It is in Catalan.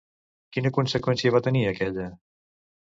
Quina conseqüència va tenir aquella?